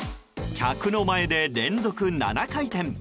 客の前で連続７回転。